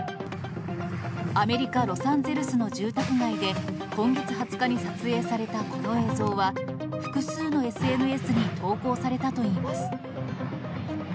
アメリカ・ロサンゼルスの住宅街で、今月２０日に撮影されたこの映像は、複数のＳＮＳに投稿されたといいます。